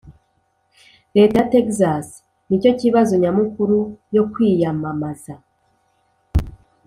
leta ya texas nicyo kibazo nyamukuru yo kwiyamamaza